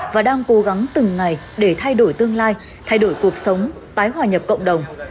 và đang cố gắng từng ngày để thay đổi tương lai thay đổi cuộc sống tái hòa nhập cộng đồng